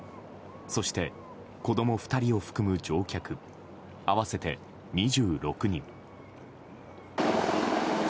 そして、子供２人を含む乗客合わせて２６人。